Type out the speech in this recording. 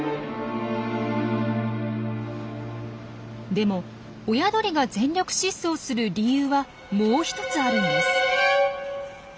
でも親鳥が全力疾走する理由はもう一つあるんです。